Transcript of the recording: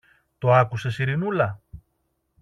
Το άκουσες, Ειρηνούλα;